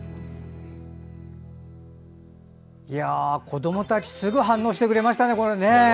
子どもたちすぐ反応してくれましたね。